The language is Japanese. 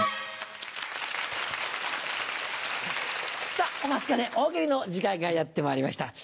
さぁお待ちかね大喜利の時間がやってまいりました。